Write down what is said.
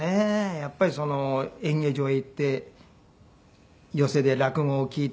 やっぱり演芸場へ行って寄席で落語を聴いて。